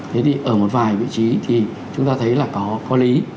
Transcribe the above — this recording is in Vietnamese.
thế thì ở một vài vị trí thì chúng ta thấy là có lý